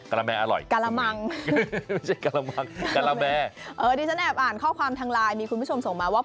การะแม่อร่อยครับดิฉันแอบอ่านข้อความทางไลน์มีคุณผู้ชมส่งมาว่า